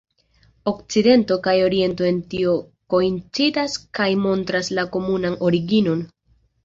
Okcidento kaj Oriento en tio koincidas kaj montras la komunan originon.